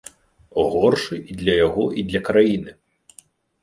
Горшы і для яго, і для краіны.